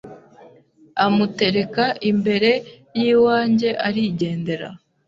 amutereka imbere y’iwanjye arigendera,